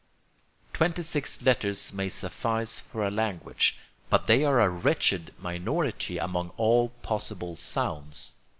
Twenty six letters may suffice for a language, but they are a wretched minority among all possible sounds.